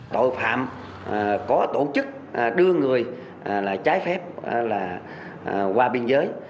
tội phạm có tổ chức đưa người là trái phép là qua biên giới